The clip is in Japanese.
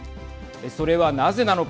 それはなぜなのか。